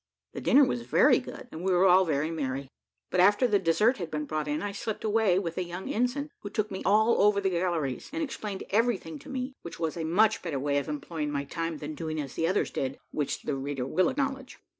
The dinner was very good, and we were all very merry; but after the dessert had been brought in, I slipped away with a young ensign, who took me all over the galleries and explained everything to me, which was a much better way of employing my time than doing as the others did, which the reader will acknowledge.